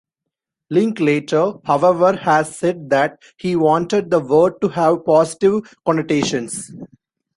Linklater, however, has said that he wanted the word to have positive connotations.